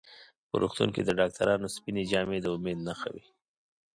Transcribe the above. په روغتون کې د ډاکټرانو سپینې جامې د امید نښه وي.